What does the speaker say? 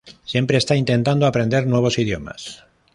Siempre está intentando aprender nuevos idiomas.